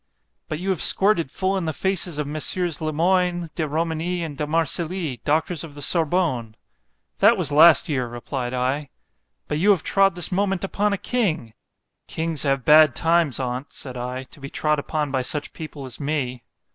——But you have squirted full in the faces of Mess. Le Moyne, De Romigny, and De Marcilly, doctors of the Sorbonne.——That was last year, replied I.—But you have trod this moment upon a king.——Kings have bad times on't, said I, to be trod upon by such people as me.